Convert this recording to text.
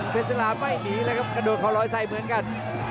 ภูเซลลาไม่หนีเลยครับกระโดดข้อร้อยใสเหมือนกัน